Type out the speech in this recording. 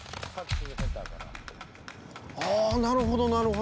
あなるほどなるほど。